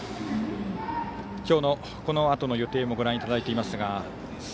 今日のこのあとの予定もご覧いただいています。